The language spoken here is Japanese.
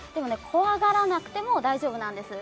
怖がらなくても大丈夫なんです